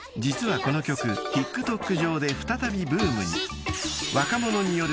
［実はこの曲ＴｉｋＴｏｋ上で再びブームに］